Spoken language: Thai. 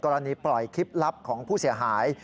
ปล่อยคลิปลับของผู้เสียหาย